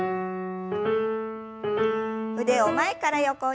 腕を前から横に。